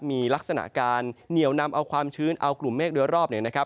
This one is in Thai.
มีลักษณะการเหนียวนำเอาความชื้นเอากลุ่มเมฆโดยรอบเนี่ยนะครับ